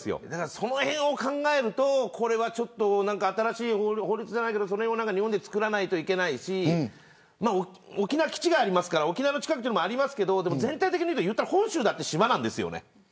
その辺を考えると新しい法律じゃないけどそれを日本は作らないといけないし沖縄に基地がありますから沖縄の近くではあるんですけど全体的に言ったら本州も島なんです。